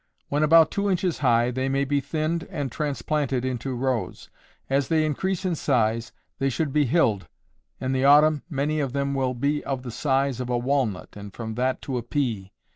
When about two inches high, they may be thinned and transplanted into rows. As they increase in size, they should be hilled. In the autumn many of them will be of the size of a walnut, and from that to a pea.